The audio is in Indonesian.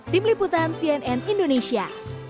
tim liputan cnn indonesia